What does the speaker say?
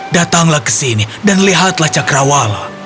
datanglah ke sini dan lihatlah cakrawala